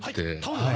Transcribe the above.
はい。